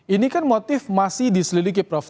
ini kan motif masih diselidiki prof